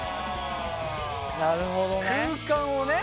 なるほどね。